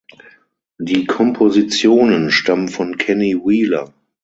Die Kompositionen stammen von Kenny Wheeler.